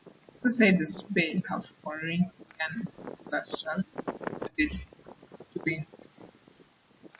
The two side bays have Corinthian pilasters with moulded plinths.